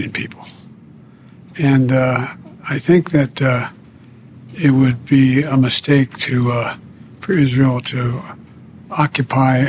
dan saya pikir itu akan menjadi kesalahan untuk israel untuk mengokupi gaza